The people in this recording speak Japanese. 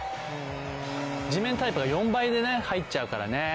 じめんタイプは４倍で入っちゃうからね。